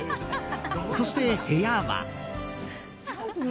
そして部屋は。